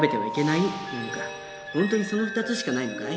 本当にその２つしかないのかい？